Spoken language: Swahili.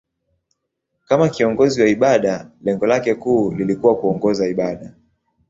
Kama kiongozi wa ibada, lengo lake kuu lilikuwa kuongoza ibada.